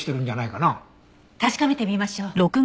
確かめてみましょう。